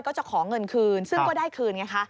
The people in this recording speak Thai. ก็จะขอเงินคืนซึ่งก็ได้คืนไงคะ